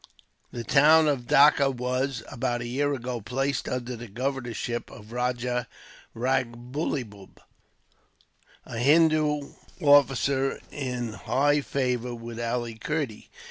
The town of Dacca was, about a year ago, placed under the governorship of Rajah Ragbullub, a Hindoo officer in high favour with Ali Kerdy.